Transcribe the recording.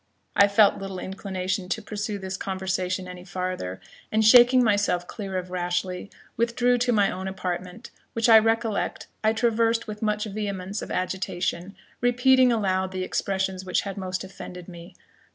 I felt little inclination to pursue this conversation any farther, and shaking myself clear of Rashleigh, withdrew to my own apartment, which I recollect I traversed with much vehemence of agitation, repeating aloud the expressions which had most offended me.